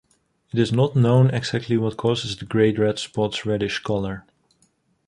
It is not known exactly what causes the Great Red Spot's reddish color.